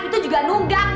itu juga nunggang